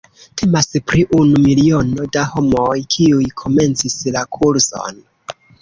Temas pri unu miliono da homoj, kiuj komencis la kurson.